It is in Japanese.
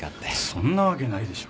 そんなわけないでしょ。